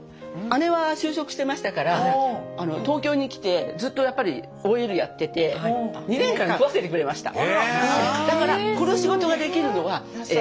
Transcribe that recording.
姉は就職してましたから東京に来てずっとやっぱりＯＬやってて２年間食わせてくれました。